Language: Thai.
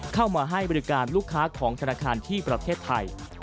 เข้ามาให้บริการลูกค้าของธนาคารที่ประเทศไทย